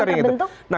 jadi persetia terbentuk